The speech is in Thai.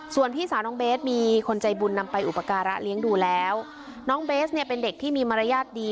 ส่วนพี่สาวน้องเบสมีคนใจบุญนำไปอุปการะเลี้ยงดูแล้วน้องเบสเนี่ยเป็นเด็กที่มีมารยาทดี